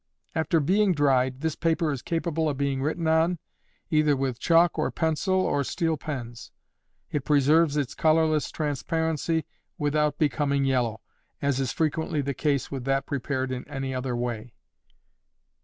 After being dried, this paper is capable of being written on, either with chalk or pencil, or steel pens. It preserves its colorless transparency without becoming yellow, as is frequently the case with that prepared in any other way.